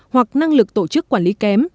hoặc năng lực tổ chức quản lý kém